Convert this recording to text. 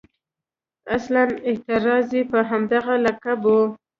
اصلاً اعتراض یې په همدغه لقب و.